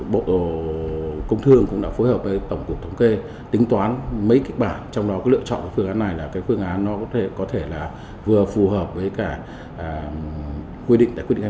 bộ công thương cũng đã phù hợp với tổng cục thống kê tính toán mấy kích bản trong đó lựa chọn phương án này là phương án có thể vừa phù hợp với quy định hai mươi bốn